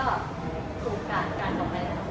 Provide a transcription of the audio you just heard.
ก็ถูกกัดกันออกมาแล้ว